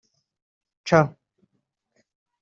c